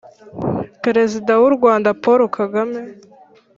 perezida w'u rwanda, paul kagame,